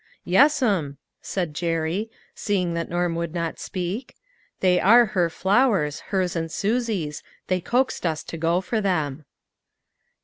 " Yes'm," said Jerry, seeing that Norm would not speak, " they are her flowers, hers and Susie's, they coaxed us to go for them."